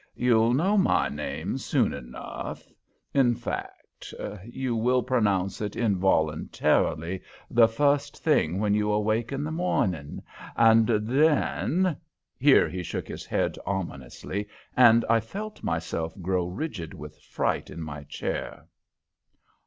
You'll know my name soon enough. In fact, you will pronounce it involuntarily the first thing when you wake in the morning, and then " Here he shook his head ominously, and I felt myself grow rigid with fright in my chair.